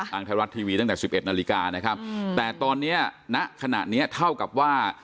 ทางไทยรัฐทีวีตั้งแต่๑๑นาฬิกานะครับแต่ตอนนี้ณขณะนี้เท่ากับว่า